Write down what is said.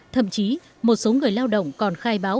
thậm chí một số người lao động còn khai báo